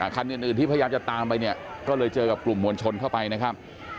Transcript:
คันอื่นที่พยายามจะตามไปเนี่ยก็เลยเจอกับกลุ่มมวลชนเข้าไปนะครับ